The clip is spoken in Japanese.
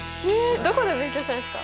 どこで勉強したんですか？